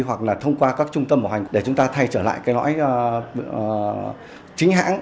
hoặc là thông qua các trung tâm bảo hành để chúng ta thay trở lại cái lõi chính hãng